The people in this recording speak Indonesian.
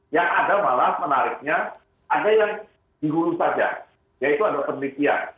yang ada malah menariknya ada yang dihulu saja yaitu ada pendidikan